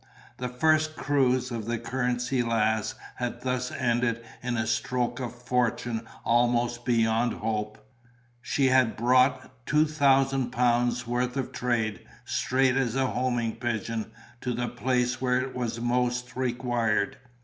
The first cruise of the Currency Lass had thus ended in a stroke of fortune almost beyond hope. She had brought two thousand pounds' worth of trade, straight as a homing pigeon, to the place where it was most required.